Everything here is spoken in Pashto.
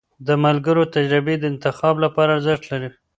د ملګرو تجربې د انتخاب لپاره ارزښت لري.